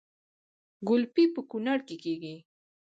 ګلپي په کونړ کې کیږي